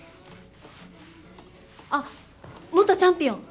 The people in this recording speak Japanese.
あっ元チャンピオン！